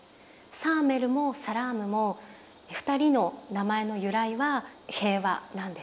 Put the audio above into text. サーメルもサラームも２人の名前の由来は平和なんです。